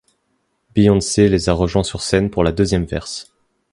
Beyoncé les a rejoint sur scène pour la deuxième verse.